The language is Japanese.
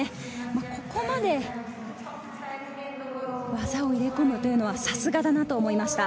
ここまで技を入れ込むというのはさすがだなと思いました。